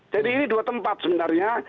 jadi ini dua tempat sebenarnya